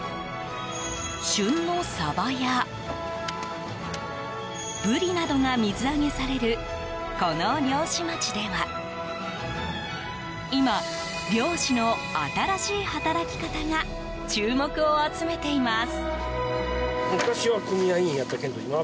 旬のサバやブリなどが水揚げされるこの漁師街では今、漁師の新しい働き方が注目を集めています。